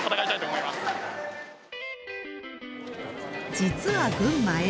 実は群馬Ａ